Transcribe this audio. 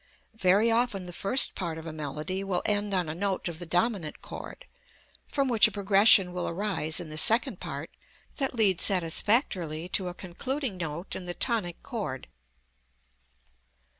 Very often the first part of a melody will end on a note of the dominant chord, from which a progression will arise in the second part that leads satisfactorily to a concluding note in the tonic chord.